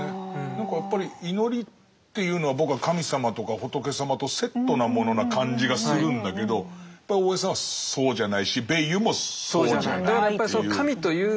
なんかやっぱり祈りっていうのは僕は神様とか仏様とセットなものな感じがするんだけどやっぱり大江さんはそうじゃないしヴェイユもそうじゃない。